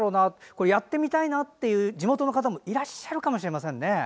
これやってみたいなという地元の方もいらっしゃるかもしれませんね。